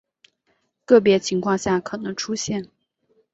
个别情况下可能出现。